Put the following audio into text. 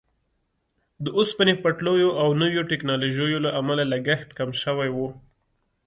د اوسپنې پټلیو او نویو ټیکنالوژیو له امله لګښت کم شوی وو.